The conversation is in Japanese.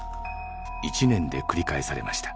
１年で繰り返されました。